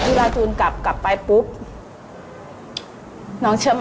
ทำกับข้าวเลย